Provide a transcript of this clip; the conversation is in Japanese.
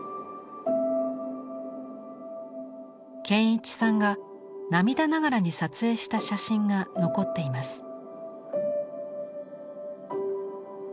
賢一さんが涙ながらに撮影した写真が残っています。